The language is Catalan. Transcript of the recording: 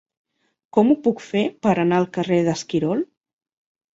Com ho puc fer per anar al carrer d'Esquirol?